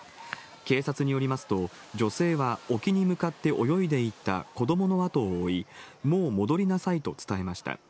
警察によりますと、女性は沖に向かって泳いでいった子どもの後を追い、もう戻りなさいと伝えました。